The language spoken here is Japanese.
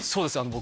僕